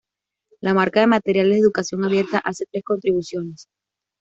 La marca de materiales de Educación abierta hace tres contribuciones.